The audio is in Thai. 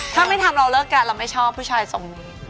ถ้าไม่ทำเราเลิกกันเราไม่ชอบผู้ชายทรงนี้